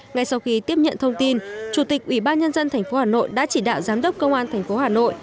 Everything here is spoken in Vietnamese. ngay sau khi tiếp nhận thông tin chủ tịch ủy ban nhân dân tp hà nội đã chỉ đạo giám đốc công an tp hà nội